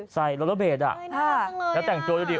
ใส่โลโลเบสแล้วแต่งตัวดูดิ